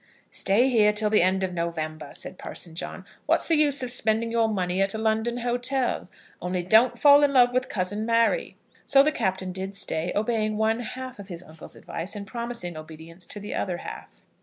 "Stay here till the end of November," said Parson John. "What's the use of spending your money at a London hotel? Only don't fall in love with cousin Mary." So the Captain did stay, obeying one half of his uncle's advice, and promising obedience to the other half.